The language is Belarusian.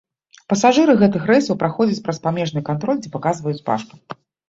Пасажыры гэтых рэйсаў праходзяць праз памежны кантроль, дзе паказваюць пашпарт.